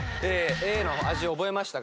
Ａの味覚えましたか？